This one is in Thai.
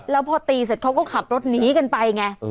แล้วพอตีเสร็จเขาก็ขับรถหนีกันไปไง